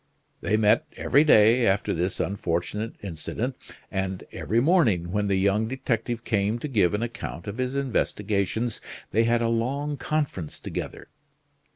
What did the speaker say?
They met every day after this unfortunate incident; and every morning, when the young detective came to give an account of his investigations, they had a long conference together.